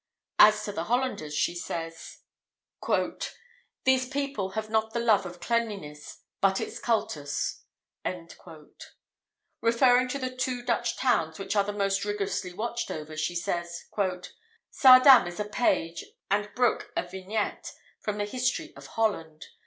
As to the Hollanders, she says: "These people have not the love of cleanliness, but its cultus." Referring to the two Dutch towns which are the most rigorously watched over, she says: "Saardam is a page, and Broek a vignette, from the history of Holland.